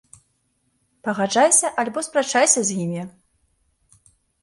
Пагаджайся альбо спрачайся з імі!